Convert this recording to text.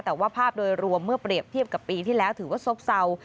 แต่ว่าภาพโดยรวมเมื่อเปรียบเทียบกับปีที่แล้วถือว่าซบเศร้า